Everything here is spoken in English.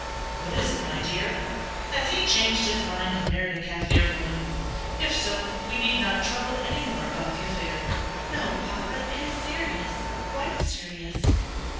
"What is it, my dear; has he changed his mind and married a Kaffir woman? If so, we need not trouble any more about the affair." "No, papa; it is serious quite serious."